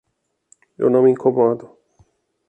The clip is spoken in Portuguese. Eu não me incomodo.